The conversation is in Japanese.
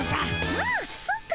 あっそっか。